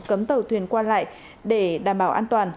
cấm tàu thuyền qua lại để đảm bảo an toàn